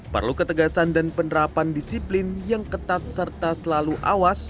perlu ketegasan dan penerapan disiplin yang ketat serta selalu awas